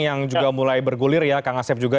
yang juga mulai bergulir ya kang asep juga